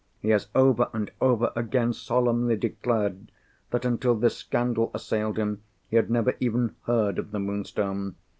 He has over and over again solemnly declared that, until this scandal assailed him, he had never even heard of the Moonstone.